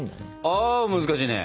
あ難しいね！